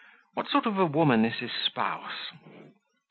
What sort of a woman is his spouse?"